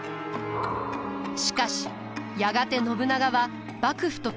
しかしやがて信長は幕府と決裂。